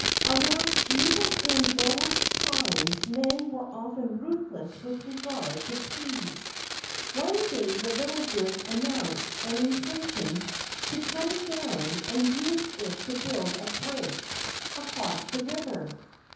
Alas, even in those times men were often ruthless with regard to trees. One day the villagers announced an intention to cut it down and use it to build a bridge across the river.